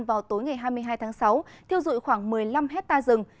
vào tối ngày hai mươi hai tháng sáu thiêu dụi khoảng một mươi năm hectare rừng